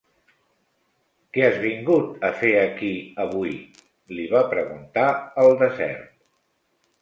"Què has vingut a fer aquí avui?", li va preguntar el desert.